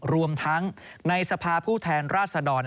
รวมทั้งในสภาผู้แทนราชดร